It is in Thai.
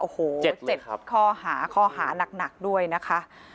โอ้โห๗ข้อหาข้อหานักด้วยนะคะ